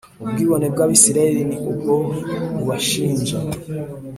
Ubwibone bw Abisirayeli ni bwo bubashinja